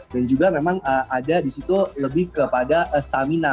dan juga memang ada di situ lebih kepada stamina